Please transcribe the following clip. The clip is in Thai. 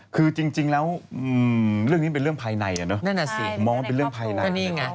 คือจริงแล้วเรื่องนี้เป็นเรื่องภายในสิมองว่าเป็นเรื่องภายใน